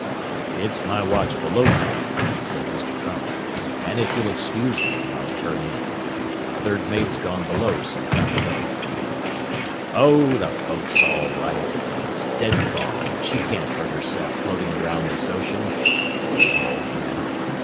"It's my watch below now," said Mr. Trunnell, "an' if you'll excuse me, I'll turn in. The third mate's gone below some time ago." "Oh, the boat's all right. It's dead calm, and she can't hurt herself floating around this ocean," said the old man.